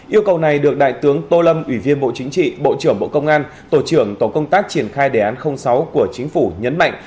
yêu cầu này được đại tướng tô lâm ủy viên bộ chính trị bộ trưởng bộ công an tổ trưởng tổ công tác triển khai đề án sáu của chính phủ nhấn mạnh